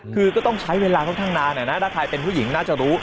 คือก็ต้องใช้เวลาค่อนข้างนานนะถ้าใครเป็นผู้หญิงน่าจะรู้